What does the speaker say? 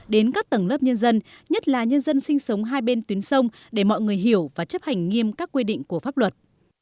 đến các tầng lớp nhân dân nhất là nhân dân sinh sống hai bên tuyến sông để mọi người hiểu và chấp hành nghiêm các quy định của pháp luật